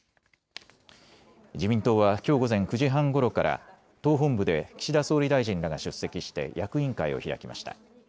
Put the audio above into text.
自民党はきょう午前９時半ごろから党本部で岸田総理大臣らが出席して役員会を開きました。